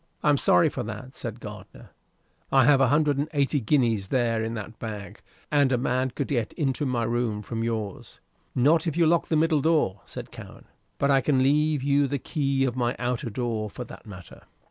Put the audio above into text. "I am sorry for that," said Gardiner. "I have a hundred and eighty guineas there in that bag, and a man could get into my room from yours." "Not if you lock the middle door," said Cowen. "But I can leave you the key of my outer door, for that matter."